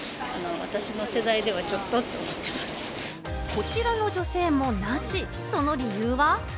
こちらの女性もなし、その理由は。